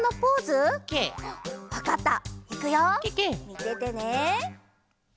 みててね。